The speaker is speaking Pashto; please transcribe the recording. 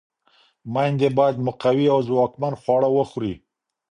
میندې باید مقوي او ځواکمن خواړه وخوري.